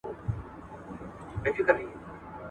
خپل مخ په پاکه دستمال وچ ساتئ.